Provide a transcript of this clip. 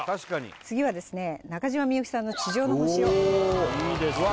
次はですね中島みゆきさんの「地上の星」をいいですねうわ